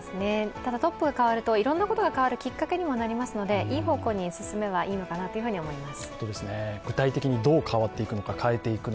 ただトップが代わるといろんなことが変わるきっかけにはなりますのでいい方向に進めばいいのかなと思います。